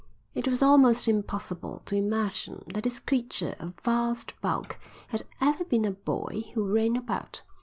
It was almost impossible to imagine that this creature of vast bulk had ever been a boy who ran about.